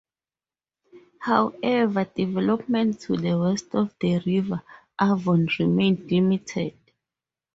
However, development to the west of the River Avon remained limited.